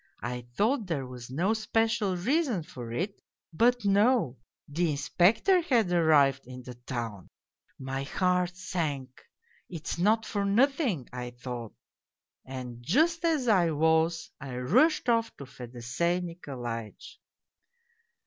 I thought there was no special reason for it but no, the Inspector had arrived in the town. My heart sank. ' It's not for nothing,' I thought. And just as I was I rushed off to Fedosey Nikolaitch.